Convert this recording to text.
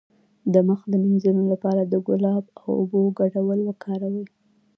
د مخ د مینځلو لپاره د ګلاب او اوبو ګډول وکاروئ